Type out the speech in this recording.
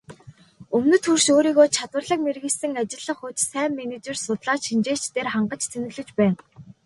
Өмнөд хөрш өөрийгөө чадварлаг мэргэшсэн ажиллах хүч, сайн менежер, судлаач, шинжээчдээр хангаж цэнэглэж байна.